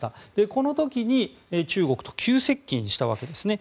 この時に中国と急接近したわけですね。